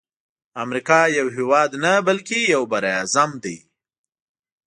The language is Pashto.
امریکا یو هیواد نه بلکی یو بر اعظم دی.